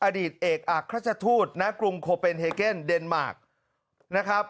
อดีตเอกอักราชทูตณกรุงโคเป็นเฮเกนเดนมาร์คนะครับ